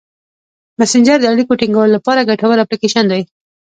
مسېنجر د اړیکو ټینګولو لپاره ګټور اپلیکیشن دی.